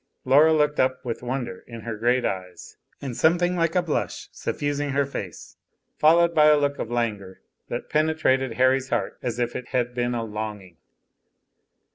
Laura looked up with wonder in her great eyes, and something like a blush suffusing her face, followed by a look of langour that penetrated Harry's heart as if it had been longing.